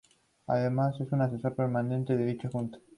Además es asesor permanente de dicha junta.